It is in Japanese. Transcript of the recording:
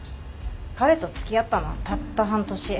彼と付き合ったのはたった半年。